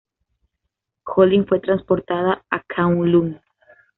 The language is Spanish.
Colleen fue transportada a K'un-L'un.